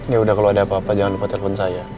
yaudah kalau ada apa apa jangan lupa telepon saya